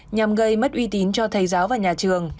nhằm gây mất uy tín cho thầy giáo và nhà trường